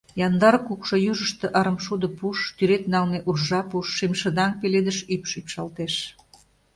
Яндар, кукшо южышто арымшудо пуш, тӱред налме уржа пуш, шемшыдаҥ пеледыш ӱпш ӱпшалтеш;